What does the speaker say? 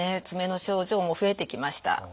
爪の症状も増えてきました。